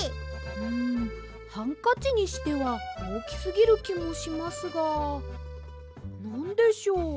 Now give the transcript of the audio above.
んハンカチにしてはおおきすぎるきもしますがなんでしょう？